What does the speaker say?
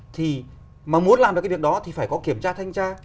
thì mà muốn làm được cái việc đó thì phải có kiểm tra thanh tra